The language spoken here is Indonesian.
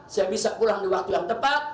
saya bisa pulang di waktu yang tepat